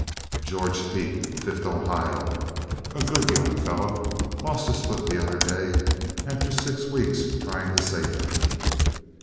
George Peet, Fifth Ohio: a good young fellow; lost his foot the other day, after six weeks trying to save it.